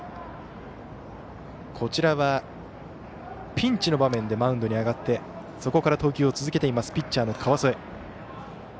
こちらはピンチの場面でマウンドに上がってそこから投球を続いているピッチャーの川副。